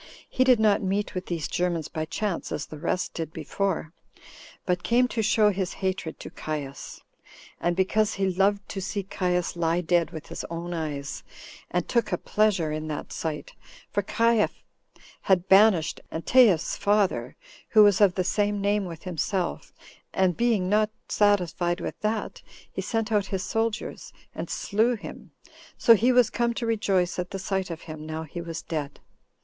He did not meet with these Germans by chance, as the rest did before, but came to show his hatred to Caius, and because he loved to see Caius lie dead with his own eyes, and took a pleasure in that sight; for Caius had banished Anteius's father, who was of the same name with himself, and being not satisfied with that, he sent out his soldiers, and slew him; so he was come to rejoice at the sight of him, now he was dead.